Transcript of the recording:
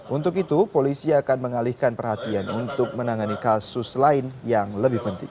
untuk itu polisi akan mengalihkan perhatian untuk menangani kasus lain yang lebih penting